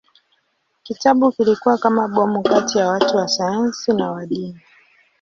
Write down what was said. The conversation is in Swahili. Kitabu kilikuwa kama bomu kati ya watu wa sayansi na wa dini.